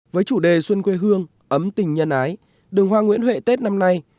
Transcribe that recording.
với chủ đề xuân quê hương ấm tình nhân ái đường hoa nguyễn huệ tết năm nay